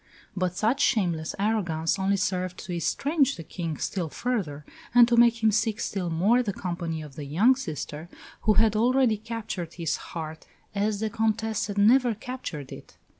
But such shameless arrogance only served to estrange the King still further, and to make him seek still more the company of the young sister, who had already captured his heart as the Comtesse had never captured it.